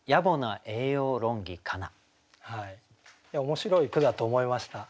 面白い句だと思いました。